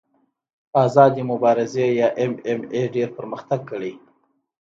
آزادې مبارزې یا ایم ایم اې ډېر پرمختګ کړی.